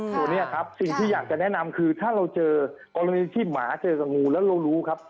ตัวนี้ครับสิ่งที่อยากจะแนะนำคือถ้าเราเจอกรณีที่หมาเจอกับงูแล้วเรารู้ครับ